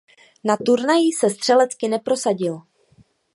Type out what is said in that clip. Na turnaji se střelecky neprosadil.